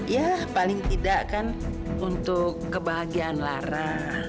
ya paling tidak kan untuk kebahagiaan lara